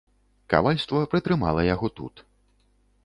Кавальства прытрымала яго тут.